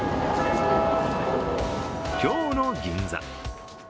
今日の銀座。